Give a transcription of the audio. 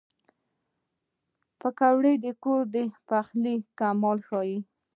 پکورې د کور د پخلي کمال ښيي